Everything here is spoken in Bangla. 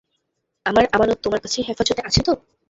আমার আমানত তোমার কাছে হেফাজতে আছে তো?